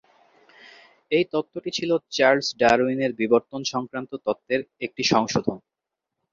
এই তত্ত্বটি ছিল চার্লস ডারউইনের বিবর্তন সংক্রান্ত তত্ত্বের একটি সংশোধন।